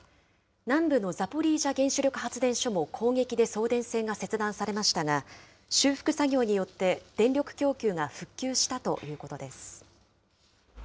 南部のザポリージャ原子力発電所も攻撃で送電線が切断されましたが、修復作業によって、電力供給が復旧したということです。